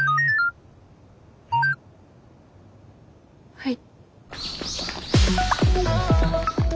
はい。